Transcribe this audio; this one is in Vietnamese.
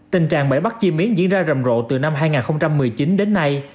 tình trạng bẫy bắt chim yến diễn ra rầm rộ từ năm hai nghìn một mươi chín đến nay